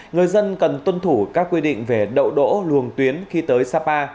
người dân cần tuân thủ các quy định về đậu đỗ luồng tuyến khi tới sapa